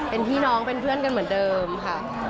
เป็นพี่น้องเป็นเพื่อนกันเหมือนเดิมค่ะ